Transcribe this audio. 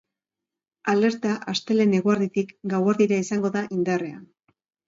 Alerta astelehen eguerditik gauerdira izango da indarrean.